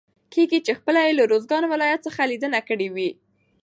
کېږي چې خپله يې له روزګان ولايت څخه ليدنه کړي وي.